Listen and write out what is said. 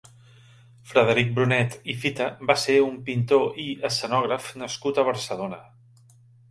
Frederic Brunet i Fita va ser un pintor i escenògraf nascut a Barcelona.